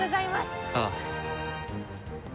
ああ。